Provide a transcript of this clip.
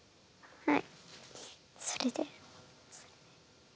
はい。